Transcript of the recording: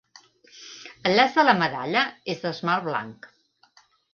El llaç de la medalla és d'esmalt blanc.